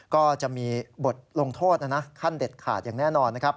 ก็จะมีบทลงโทษนะนะขั้นเด็ดขาดอย่างแน่นอนนะครับ